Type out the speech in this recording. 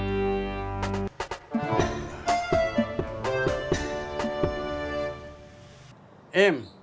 nih si tati